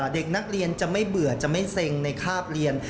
เด็กนักเรียนจะไม่เบื่อจะไม่เซ็งในคราบเรียน